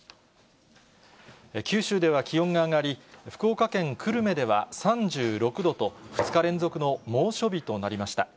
九州では気温が上がり、福岡県久留米では３６度と、２日連続の猛暑日となりました。